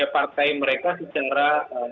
partai mereka secara